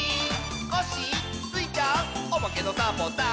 「コッシースイちゃんおまけのサボさん」